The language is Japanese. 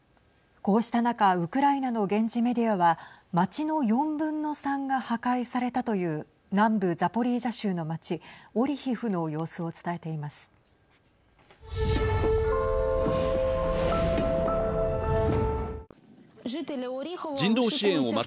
こうした中ウクライナの現地メディアは町の４分の３が破壊されたという南部ザポリージャ州の町オリヒフの様子を伝えています。